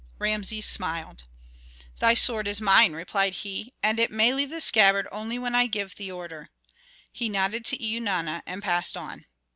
Rameses smiled. "Thy sword is mine," replied he, "and it may leave the scabbard only when I give the order." He nodded to Eunana and passed on.